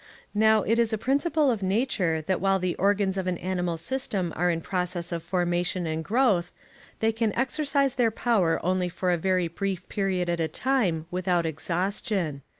Now, it is a principle of nature that while the organs of an animal system are in process of formation and growth, they can exercise their power only for a very brief period at a time without exhaustion.